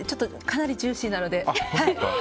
かなりジューシーなので。